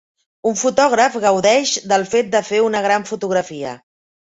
Un fotògraf gaudeix del fet de fer una gran fotografia.